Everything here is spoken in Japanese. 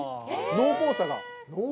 濃厚さが。